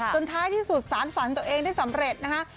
ท้ายที่สุดสารฝันตัวเองได้สำเร็จนะคะ